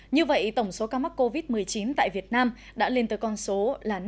như vậy tổng số ca mắc covid một mươi chín tại việt nam đã lên tới con số năm trăm chín mươi ca